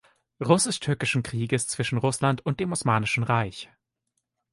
Russisch-Türkischen Krieges zwischen Russland und dem Osmanischen Reich.